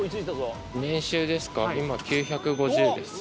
今９５０です。